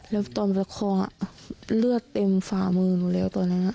แล้วตอนประคองเลือดเต็มฝ่ามือหนูแล้วตอนนั้น